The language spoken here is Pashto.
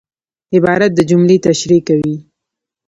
عبارت د جملې تشریح کوي.